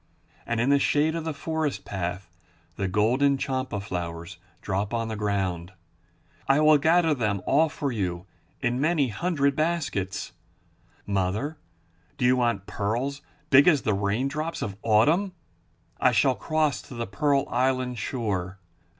And in the shade of the forest path the golden champa flowers drop on the ground. I will gather them all for you in many hundred baskets. Mother, do you want pearls big as the raindrops of autumn? I shall cross to the pearl island shore.